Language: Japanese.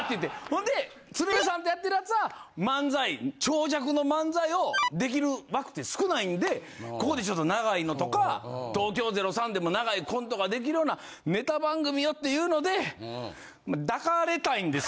ほんで鶴瓶さんとやってるやつは漫才長尺の漫才をできる枠って少ないんでここでちょっと長いのとか東京０３でも長いコントができるようなネタ番組をっていうので。